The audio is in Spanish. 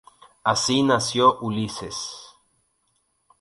Así, nació Ulises.